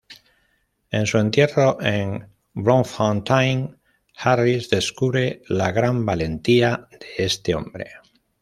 En su entierro, en Bloemfontein, Harris descubre la gran valentía de este hombre.